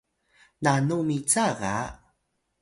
nanu mica ga